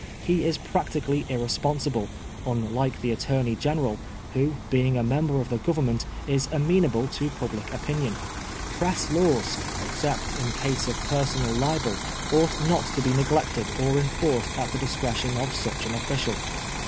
He is practically irresponsible, unlike the Attorney General, who, being a member of the Government, is amenable to public opinion. Press laws, except in cases of personal libel, ought not to be neglected or enforced at the discretion of such an official.